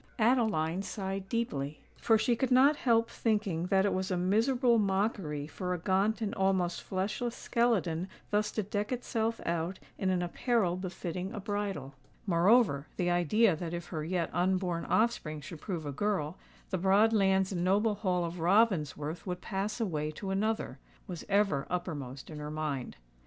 Adeline sighed deeply—for she could not help thinking that it was a miserable mockery for a gaunt and almost fleshless skeleton thus to deck itself out in an apparel befitting a bridal:—moreover, the idea that if her yet unborn offspring should prove a girl, the broad lands and noble Hall of Ravensworth would pass away to another, was ever uppermost in her mind.